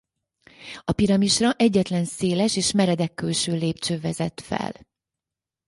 A piramisra egyetlen széles és meredek külső lépcső vezet fel.